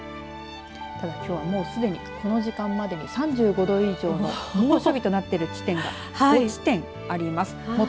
きょうは、もうすでにこの時間までに３５度以上の猛暑日となっている地点があります。